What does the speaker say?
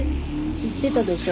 言ってたでしょ。